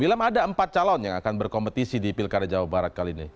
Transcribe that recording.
bilam ada empat calon yang akan berkompetisi di pilkada jawa barat kali ini